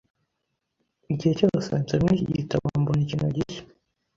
Igihe cyose nsomye iki gitabo, mbona ikintu gishya .